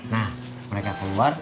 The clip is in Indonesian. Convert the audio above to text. nah mereka keluar